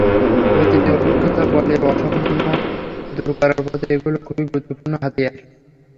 অতীতে অভিজ্ঞতা বলে, অসাম্য দূর করার পথে এগুলো খুবই গুরুত্বপূর্ণ হাতিয়ার।